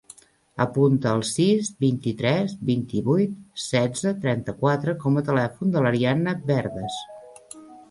Apunta el sis, vint-i-tres, vint-i-vuit, setze, trenta-quatre com a telèfon de l'Arianna Verdes.